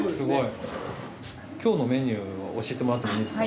今日のメニューを教えてもらってもいいですか？